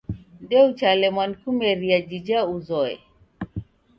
Ndeochalemwa ni kumeria jija uzoye.